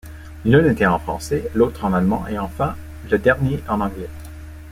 L'un était en français, l'autre en allemand et enfin, le dernier en anglais.